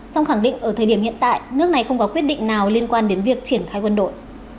song khẳng định ở thời điểm hiện tại nước này không có quyết định nào liên quan đến việc triển khai quân đội